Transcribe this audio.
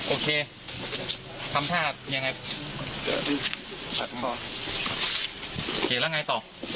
โอเคแล้วไงต่อ